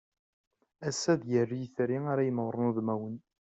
Assa ad d-yali yetri ara inewwṛen udmawen.